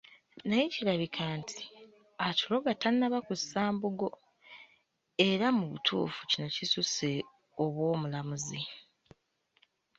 Naye kirabika nti, atuloga tannaba kussa mbugo, era mu butuufu kino kisusse obw’omulamuzi.